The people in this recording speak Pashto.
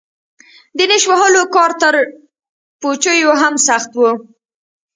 د نېش وهلو کار تر پوجيو هم سخت و.